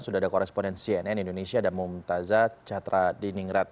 sudah ada koresponen cnn indonesia ada mum taza catra diningrat